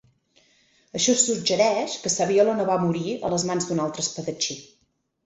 Això suggereix que Saviolo no va morir a les mans d'un altre espadatxí.